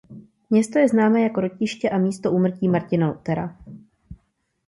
Město je známé jako rodiště a místo úmrtí Martina Luthera.